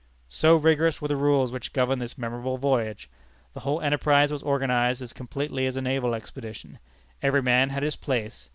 So rigorous were the rules which governed this memorable voyage. The whole enterprise was organized as completely as a naval expedition. Every man had his place.